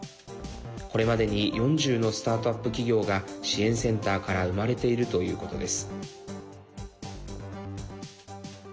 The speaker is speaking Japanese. これまでに４０のスタートアップ企業が支援センターから生まれているということです。